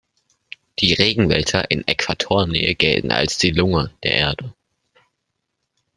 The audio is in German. Die Regenwälder in Äquatornähe gelten als die Lunge der Erde.